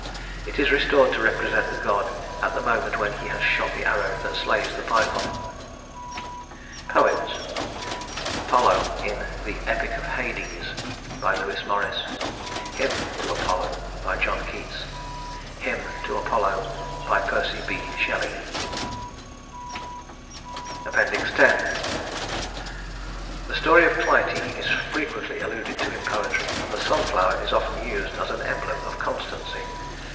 It is restored to represent the god at the moment when he has shot the arrow that slays the Python. Poems: Apollo in "The Epic of Hades" LEWIS MORRIS Hymn to Apollo JOHN KEATS Hymn to Apollo PERCY B. SHELLEY X The story of Clytie is frequently alluded to in poetry, and the sunflower is often used as an emblem of constancy.